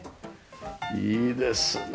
いいですね